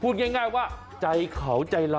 พูดง่ายว่าใจเขาใจเรา